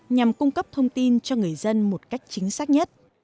nhằm cung cấp thông tin cho người dân